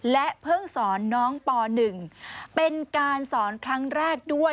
และเพิ่งสอนน้องป๑เป็นการสอนครั้งแรกด้วย